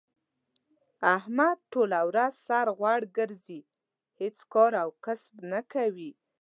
احمد ټوله ورځ سر غوړ ګرځی، هېڅ کار او کسب نه کوي.